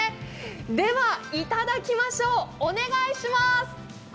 では、いただきましょう、お願いします！